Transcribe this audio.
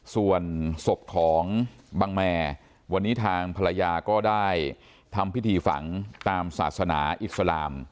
ส่วนศพของบังแมร์วันนี้ทางภรรยาก็ได้ทำพิธีฝังตามศาสนาอิสลาม